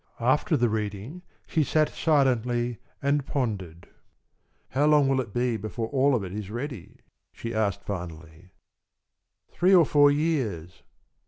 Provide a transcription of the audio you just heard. After the reading she sat silently and pondered. "How long will it be before all of it is ready?" she asked finally. "Three or four years."